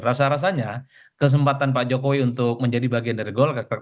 rasa rasanya kesempatan pak jokowi untuk menjadi bagian dari golkar